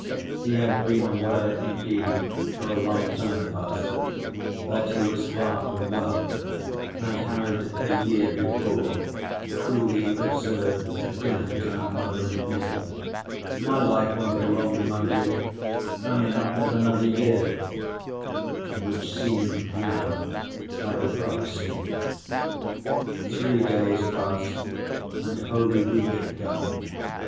He had been aware, indeed, for a long time past, that he was far from well, and had a year before coolly observed at dinner to our mother and me, "My life won't be long among you, I may not live another year," which seemed now like a prophecy. Three days passed and Holy Week had come.